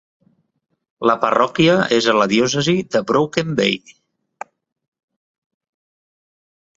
La parròquia és a la diòcesi de Broken Bay.